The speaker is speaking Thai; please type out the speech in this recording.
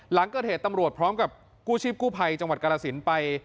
หลังเกิดเหตุตำรวจพร้อมกับกู้ชีพกู้ภัยจังหวัดกรสินไป